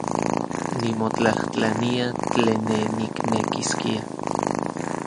Nimotlajtlania tlen ne niknekiskia.